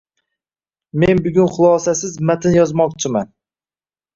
Men bugun xulosasiz matn yozmoqchiman.